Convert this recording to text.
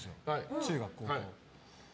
中学・高校。